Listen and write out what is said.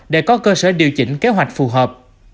để có cơ sở điều chỉnh kế hoạch phù hợp